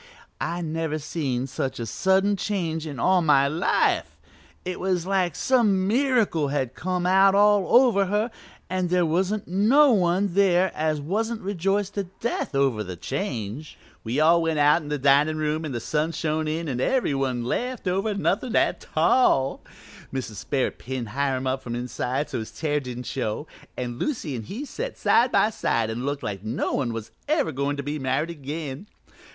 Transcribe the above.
I never seen such a sudden change in all my life; it was like some miracle had come out all over her and there wasn't no one there as wasn't rejoiced to death over the change. "We all went out in the dinin' room and the sun shone in and every one laughed over nothin' a tall. Mrs. Sperrit pinned Hiram up from inside so his tear didn't show, and Lucy and he set side by side and looked like no one was ever goin' to ever be married again.